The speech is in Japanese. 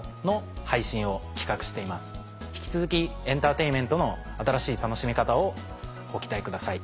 引き続きエンターテインメントの新しい楽しみ方をご期待ください。